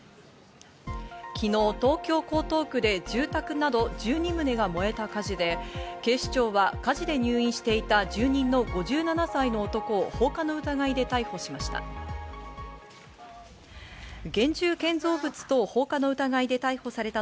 昨日、東京・江東区で住宅など１２棟が燃えた火事で、警視庁は火事で入院していた住人の５７歳の男を放火の疑いで逮捕しました。